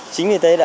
chính vì thế